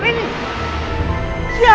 siapa yang akan membunuh mereka